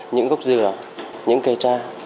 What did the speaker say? những gốc dừa những cây tra